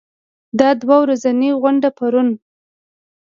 دا دوه ورځنۍ غونډه پرون